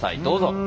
どうぞ。